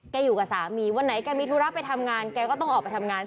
อยู่กับสามีวันไหนแกมีธุระไปทำงานแกก็ต้องออกไปทำงาน